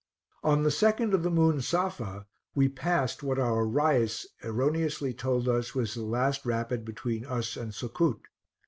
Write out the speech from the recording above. On the 2d of the moon Safa, we passed what our Rais erroneously told us was the last rapid between us and Succoot.